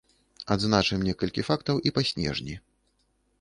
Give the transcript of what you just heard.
Адзначым некалькі фактаў і па снежні.